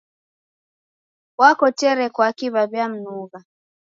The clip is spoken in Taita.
Wakotere kwaki w'aw'iamnugha.